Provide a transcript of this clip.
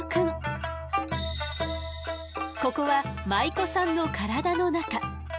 ここは舞妓さんの体の中。